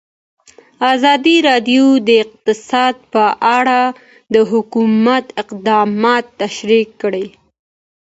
ازادي راډیو د اقتصاد په اړه د حکومت اقدامات تشریح کړي.